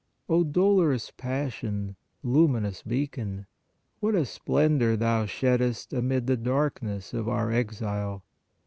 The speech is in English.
O dolorous Passion, luminous beacon! What a splendor thou sheddest amid the darkness of our exile!